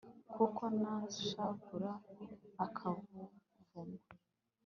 kuko nashavura akakuvuma